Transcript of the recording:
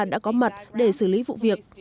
đã có mặt để xử lý vụ việc